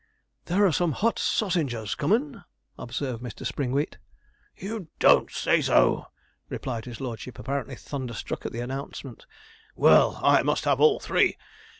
'There are some hot sausingers comin',' observed Mr. Springwheat. 'You don't say so,' replied his lordship, apparently thunderstruck at the announcement. 'Well, I must have all three.